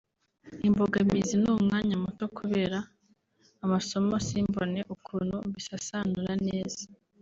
Imbogamizi ni umwanya muto kubera amasomo simbone ukuntu mbisasanura neza